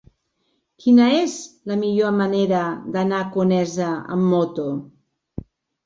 Quina és la millor manera d'anar a Conesa amb moto?